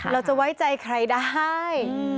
เราจะไว้ใจใครได้